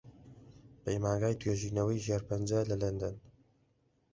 پەیمانگای توێژینەوەی شێرپەنجە لە لەندەن